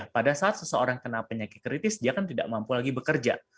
pada saat seseorang kena penyakit kritis dia kan tidak mampu lagi bekerja